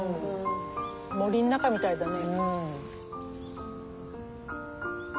森の中みたいだね。